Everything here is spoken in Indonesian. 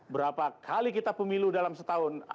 berapa kali kita pemilu dalam setahun